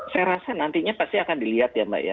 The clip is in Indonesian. saya rasa nantinya pasti akan dilihat ya mbak ya